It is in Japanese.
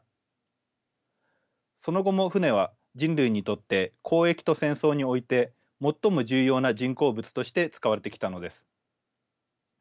その後も船は人類にとって交易と戦争において最も重要な人工物として使われてきたのです。